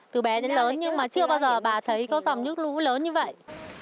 từ bé đến lớn nhưng mà chưa bao giờ bà thấy có dòng nước lũ lớn như vậy